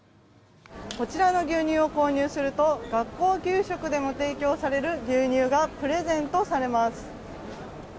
こちらの牛乳を購入すると学校給食でも提供される牛乳がプレゼントされます。